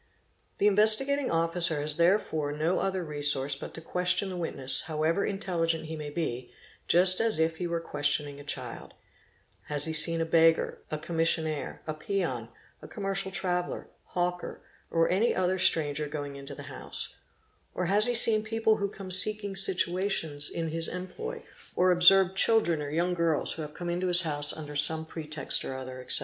The Investigating Officer has therefore no other resource but to question the witness, however intelligent he may be, just as if he were questioning a child: has he seen a beggar, a commissionaire, @ peon, a commercial traveller, hawker, or any other stranger going into the house, or has he seen people who come seeking situations in his employ, or observed children or young girls who have come into his house under some pretext or other, etc.